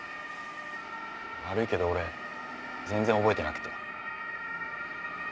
悪いけど俺全然覚えてなくて。